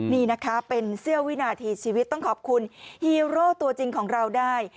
นี่นะคะเป็นเสี้ยววินาทีชีวิตต้องขอบคุณฮีโร่ตัวจริงของเราได้